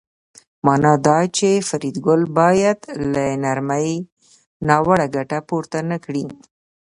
مانا دا چې فریدګل باید له نرمۍ ناوړه ګټه پورته نکړي